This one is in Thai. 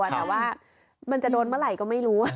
แต่ว่ามันจะโดนเมื่อไหร่ก็ไม่รู้